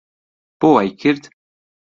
بۆ وای کرد؟